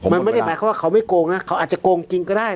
มันไม่ได้หมายความว่าเขาไม่โกงนะเขาอาจจะโกงจริงก็ได้